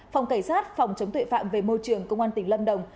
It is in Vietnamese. phòng cảnh sát phòng chống tuệ phạm về môi trường công an tỉnh lâm đồng